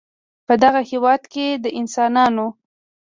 په دغه هېواد کې د انسانانو